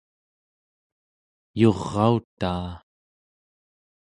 yurautaa